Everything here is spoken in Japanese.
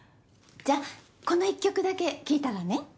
じゃこの１曲だけ聴いたらね？